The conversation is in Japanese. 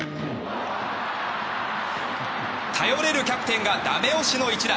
頼れるキャプテンがダメ押しの一打！